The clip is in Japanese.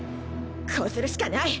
こうするしかない。